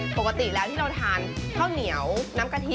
ปกติแล้วที่เราทานข้าวเหนียวน้ำกะทิ